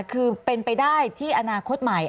คือเป็นไปได้ที่อนาคตใหม่